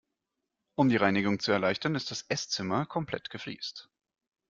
Um die Reinigung zu erleichtern, ist das Esszimmer komplett gefliest.